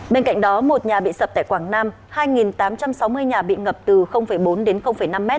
bên cạnh đó một nhà bị sập tại quảng nam hai tám trăm sáu mươi nhà bị ngập từ bốn đến năm m